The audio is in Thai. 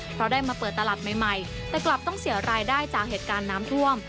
เพราะได้มาเปิดตลาดใหม่แต่กลับต้องเสียรายได้จากเหตุการณ์น้ำท่วม